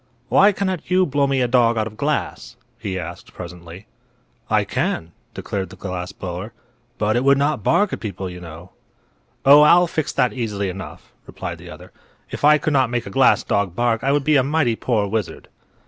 "Why cannot you blow me a dog out of glass?" he asked, presently. "I can," declared the glass blower; "but it would not bark at people, you know." "Oh, I'll fix that easily enough," replied the other. "If I could not make a glass dog bark I would be a mighty poor wizard."